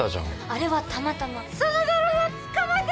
あれはたまたまその泥棒捕まえて！